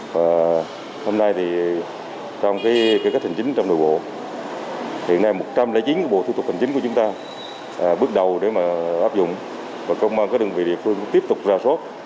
và hôm nay thì trong cái kế cách hành chính trong nội bộ hiện nay một trăm linh chín bộ thủ tục hành chính của chúng ta bước đầu để mà áp dụng và công an các đơn vị địa phương tiếp tục ra sốt